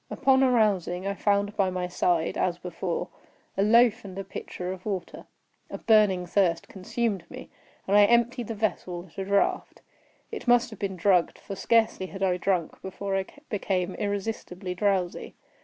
Upon arousing, I found by my side, as before, a loaf and a pitcher of water. A burning thirst consumed me, and I emptied the vessel at a draught. It must have been drugged—for scarcely had I drunk, before I became irresistibly drowsy.